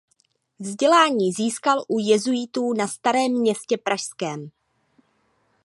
Vzdělání získal u jezuitů na Starém Městě pražském.